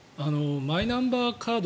マイナンバーカード